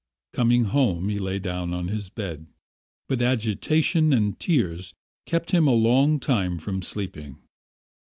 Coming home, he lay down on his bed, but agitation and tears kept him a long time from sleeping...